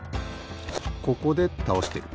ここでたおしてる。